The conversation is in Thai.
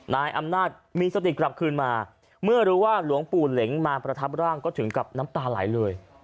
นายอำนาจมีสติกลับคืนมาเมื่อรู้ว่าหลวงปู่เหล็งมาประทับร่างก็ถึงกับน้ำตาไหลเลย